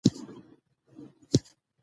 هر څه خپل مناسب وخت لري